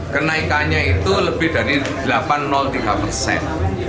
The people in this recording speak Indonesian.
kenaikannya itu lebih dari delapan ratus tiga persen